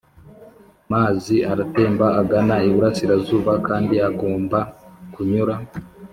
mazi aratemba agana iburasirazuba kandi agomba kunyura